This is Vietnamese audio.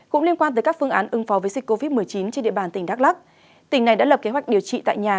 cũng liên quan tới các phương án ứng phó với dịch covid một mươi chín trên địa bàn tỉnh đắk lắc tỉnh này đã lập kế hoạch điều trị tại nhà